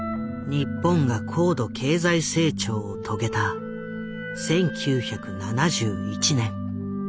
日本が高度経済成長を遂げた１９７１年。